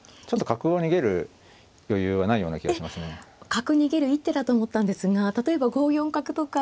角逃げる一手だと思ったんですが例えば５四角とか。